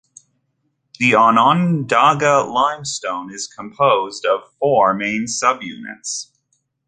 The Onondaga Limestone is composed of four main subunits.